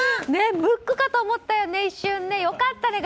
ムックかと一瞬思ったよね。